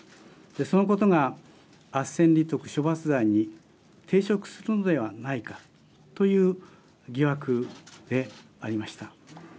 そのことが斡旋賭博罪に抵触するのではないかという疑惑でありました。